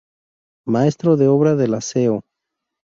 Maestro de obra de la Seo.